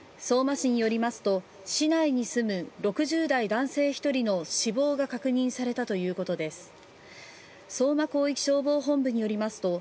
相馬市によりますと市内に住む６０代男性１人の死亡が確認されたということです。